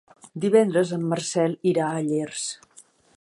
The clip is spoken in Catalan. Divendres en Marcel irà a Llers.